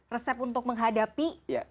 resep untuk menghadapi